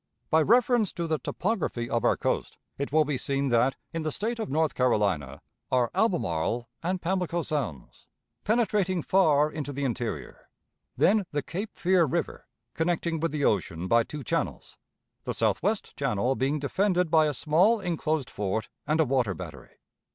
By reference to the topography of our coast, it will be seen that, in the State of North Carolina, are Albemarle and Pamlico Sounds, penetrating far into the interior; then the Cape Fear River, connecting with the ocean by two channels, the southwest channel being defended by a small inclosed fort and a water battery.